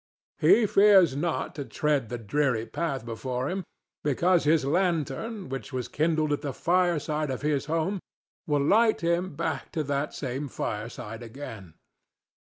He fears not to tread the dreary path before him, because his lantern, which was kindled at the fireside of his home, will light him back to that same fireside again.